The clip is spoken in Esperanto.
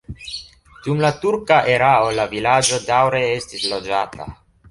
Dum la turka erao la vilaĝo daŭre estis loĝata.